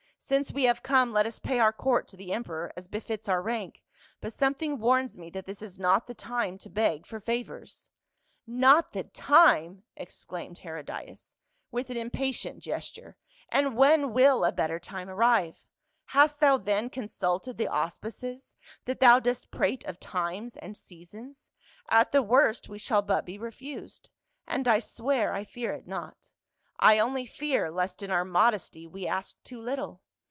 Since we have come, let us pay our court to the emperor as befits our rank, but something warns me that tliis is not the time to beg for favors." '* Not the time !" exclaimed Herodias, with an im patient gesture, "and when will a better time arrive? Hast thou then consulted the auspices, that thou dost prate of times and seasons ? At the worst, we shall but be refused — and I swear I fear it not. I only fear lest in our modesty we ask too little.